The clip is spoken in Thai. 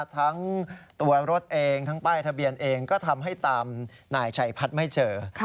ทั้งตัวรถเองทั้งป้ายทะเบียนเองก็ทำให้ตามนายชัยพัฒน์ไม่เจอ